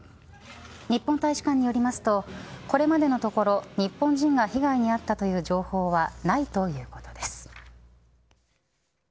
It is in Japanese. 日本大使館によりますとこれまでのところ日本人が被害に遭ったという情報はないということです。